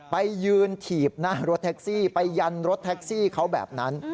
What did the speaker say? ไปยืนถีบหน้ารถแท็กซี่ไปยันรถแท็กซี่เขาแบบนั้น